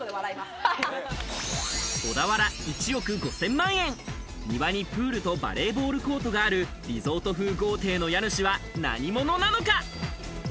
小田原、１億５０００万円、庭にプールとバレーボールコートがあるリゾート風豪邸の家主は何者なのか？